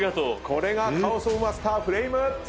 これがカオスオブマスターフレイム！